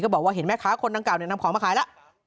บอกว่าเห็นแม่ค้าคนดังกล่าวนำของมาขายแล้ว